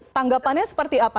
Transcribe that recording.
tanggapannya seperti apa